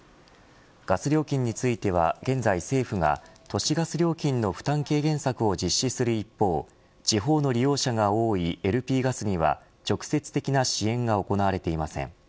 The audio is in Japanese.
ガス料金については現在政府が都市ガス料金の負担軽減策を実施する一方地方の利用者が多いＬＰガスには直接的な支援が行われていません。